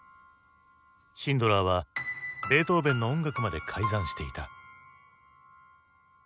シンドラーはベートーヴェンの音楽まで改ざんしていた。